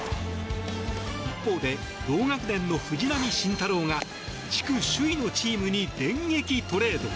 一方で、同学年の藤浪晋太郎が地区首位のチームに電撃トレード。